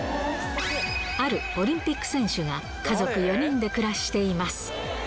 あるオリンピック選手が、家族４人で暮らしています。